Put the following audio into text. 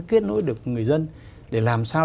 kết nối được người dân để làm sao